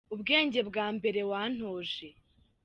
Ubwenge bwa mbere wantoje